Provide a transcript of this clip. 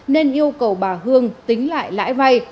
nên yêu cầu bà hương tính lại lãi vay